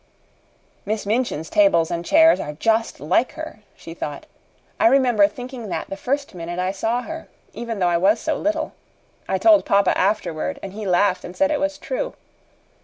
"Miss Minchin's tables and chairs are just like her," she thought; "I remember thinking that the first minute I saw her, even though I was so little. I told papa afterward, and he laughed and said it was true.